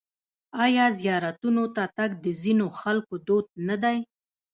آیا زیارتونو ته تګ د ځینو خلکو دود نه دی؟